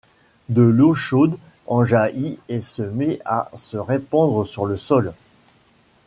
De l'eau chaude en jaillit et se met à se répandre sur le sol.